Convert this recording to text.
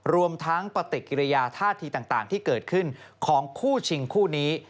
รวมทั้งปฏิกิริยาท่าทีต่างที่เกิดขึ้นของคู่ชิงคู่นี้